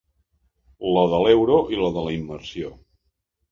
La de l'euro i la de la immersió.